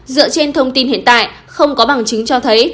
dựa trên thông tin hiện tại không có bằng chứng cho thấy